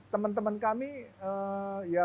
teman teman kami ya